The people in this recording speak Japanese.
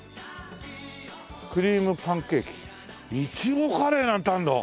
「クリームパンケーキ」「苺カレー」なんてあるんだ！